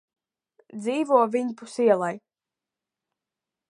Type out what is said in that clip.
Dzīvo viņpus ielai.